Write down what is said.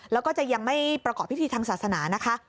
แล้วก็จะยังไม่ประกอบพิธีทางศาสนานะคะ